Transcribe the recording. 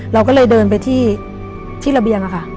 เราก็เลยเดินไปที่ระเบียงค่ะ